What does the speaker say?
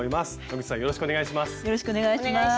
野口さんよろしくお願いします。